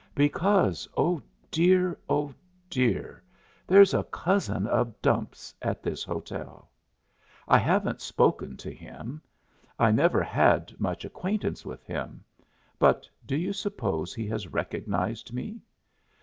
Because, oh dear, oh dear, there's a cousin of Dumps at this hotel! I haven't spoken to him. I never had much acquaintance with him, but do you suppose he has recognized me?